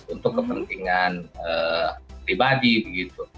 untuk kepentingan pribadi gitu